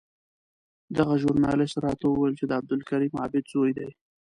دغه ژورنالېست راته وویل چې د عبدالکریم عابد زوی دی.